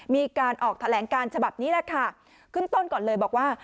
มีการออกแถลงการฉบับนี้แหละค่ะขึ้นต้นก่อนเลยบอกว่า